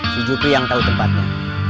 si jutri yang tahu tempatnya